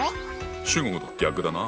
中国と逆だな。